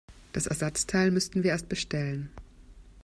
Das Ersatzteil müssten wir erst bestellen.